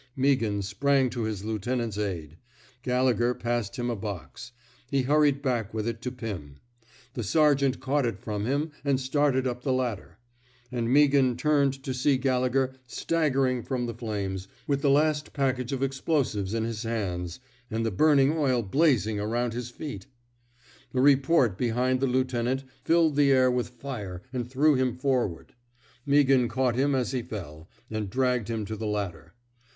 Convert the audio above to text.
Meaghan sprang to his lieutenant's aid. Gallegher passed him a box. He hurried back with it to Pim. The sergeant caught it from him, and started up the ladder. And Mea 45 f THE SMOKE EATEES ghan turned to see Gallegher staggering from the flames, with the last package of explosives in his hands, and the burning oil blazing around his feet. A report behind the lieutenant filled the air with fire and threw him forward. Mea ghan caught him as he fell, and dragged him to the ladder.